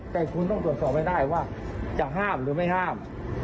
แต่คุณต้องตรวจสอบให้ได้ว่าจะห้ามหรือไม่ห้าม